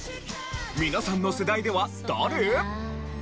皆さんの世代では誰？